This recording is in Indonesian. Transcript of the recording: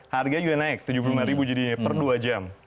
harga juga naik rp tujuh puluh lima ribu jadinya per dua jam